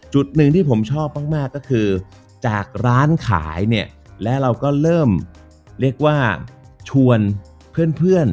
จุดหนึ่งที่ผมชอบมากมากก็คือจากร้านขายเนี่ยแล้วเราก็เริ่มเรียกว่าชวนเพื่อนเพื่อน